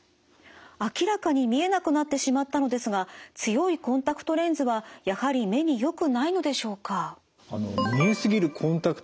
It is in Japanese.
明らかに見えなくなってしまったのですが強いコンタクトレンズはやはり目によくないのでしょうか？